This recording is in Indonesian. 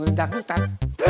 nih gue udah ngendak nutak